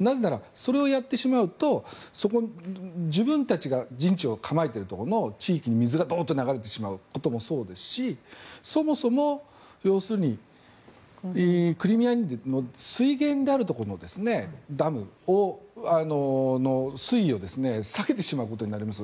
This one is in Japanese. なぜなら、それをやってしまうと自分たちが陣地を構えているところの地域に、水がどっと流れてしまうこともそうですしそもそもクリミア水源であるところのダムの水位を下げてしまうことになります。